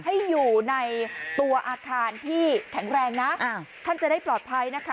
ให้อยู่ในตัวอาคารที่แข็งแรงนะท่านจะได้ปลอดภัยนะคะ